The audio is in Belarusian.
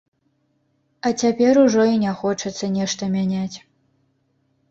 А цяпер ужо і не хочацца нешта мяняць.